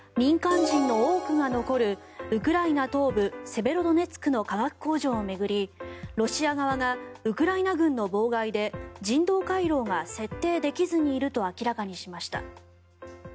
民間人の多くが残るウクライナ東部セベロドネツクの化学工場を巡り、ロシア側がウクライナ軍の妨害で人道回廊が設定できずにいると明らかにしました。